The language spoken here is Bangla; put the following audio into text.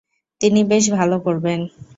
তিনি বেশ ভালো করবেন।